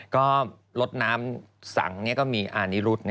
ก็ลดน้ำสังก็มีอานิรุธ